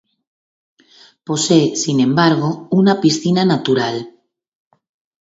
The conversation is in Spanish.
Posee, sin embargo, una piscina natural.